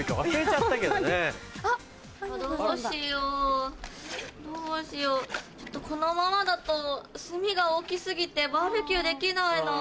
ちょっとこのままだと炭が大き過ぎてバーベキューできないな。